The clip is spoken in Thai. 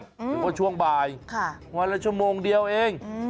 หรือว่าช่วงบ่ายวันละชั่วโมงเดียวเอง